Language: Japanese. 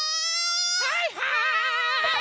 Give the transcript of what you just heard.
はいはい！